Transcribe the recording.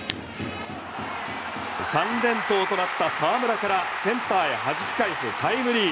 ３連投となった澤村からセンターへ弾き返すタイムリー。